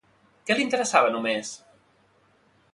Què li interessava només?